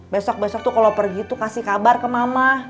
besok besok tuh kalau pergi tuh kasih kabar ke mama